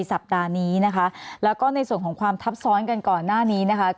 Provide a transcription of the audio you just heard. สัปดาห์นี้นะคะแล้วก็ในส่วนของความทับซ้อนกันก่อนหน้านี้นะคะ